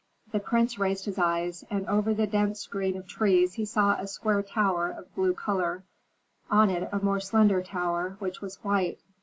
The prince raised his eyes, and over the dense green of trees he saw a square tower of blue color; on it a more slender tower, which was white.